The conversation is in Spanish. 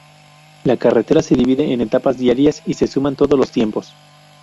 La carrera se divide en etapas diarias y se suman todos los tiempos.